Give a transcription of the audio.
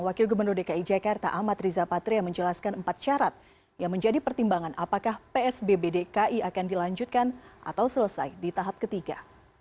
wakil gubernur dki jakarta amat riza patria menjelaskan empat syarat yang menjadi pertimbangan apakah psbb dki akan dilanjutkan atau selesai di tahap ketiga